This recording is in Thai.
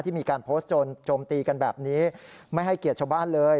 มีการโพสต์โจมตีกันแบบนี้ไม่ให้เกียรติชาวบ้านเลย